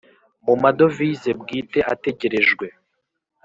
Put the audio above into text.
Mu madovize bwite ategerejwe